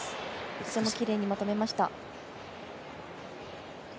姿勢もきれいにまとめました。